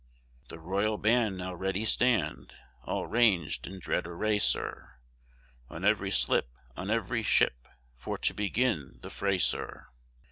The royal band now ready stand, All ranged in dread array, Sir, On every slip, on every ship, For to begin the fray, Sir.